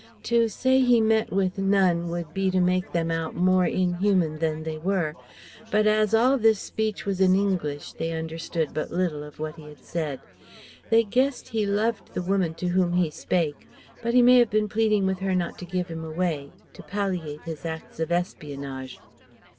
To say he met with none would be to make them out more inhuman than they were. But as all this speech was in English they understood but little of what he had said. They guessed he loved the woman to whom he spake, but he may have been pleading with her not to give him away, to palliate his acts of espionage.